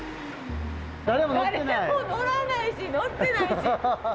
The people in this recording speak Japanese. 誰も乗らないし乗ってないし。